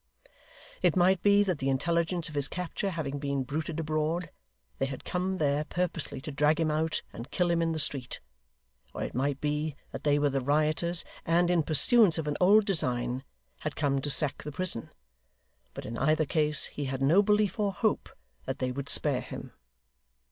It might be that the intelligence of his capture having been bruited abroad, they had come there purposely to drag him out and kill him in the street; or it might be that they were the rioters, and, in pursuance of an old design, had come to sack the prison. But in either case he had no belief or hope that they would spare him.